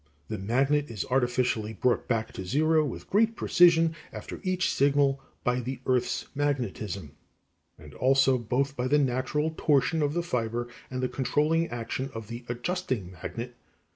The magnet is artificially brought back to zero with great precision after each signal by the earth's magnetism, and also both by the natural torsion of the fiber and the controlling action of the adjusting magnet (e) (Fig.